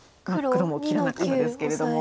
黒も切らなかったですけれども。